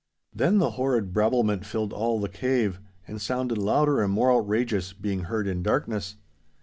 Then the horrid brabblement filled all the cave, and sounded louder and more outrageous, being heard in darkness.